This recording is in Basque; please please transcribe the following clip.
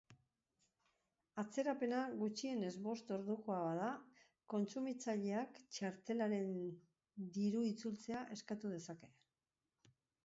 Atzerapena gutxienez bost ordukoa bada, kontsumitzaileak txartelaren diru-itzultzea eskatu dezake.